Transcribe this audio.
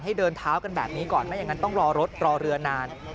เดินเท้ากันแบบนี้ก่อนไม่อย่างนั้นต้องรอรถรอเรือนาน